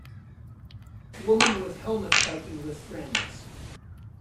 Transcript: Woman with helmet biking with friends